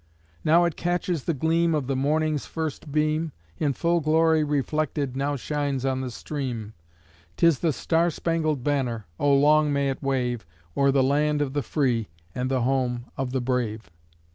Now it catches the gleam of the morning's first beam, In full glory reflected now shines on the stream; 'Tis the star spangled banner; O long may it wave O'er the land of the free and the home of the brave!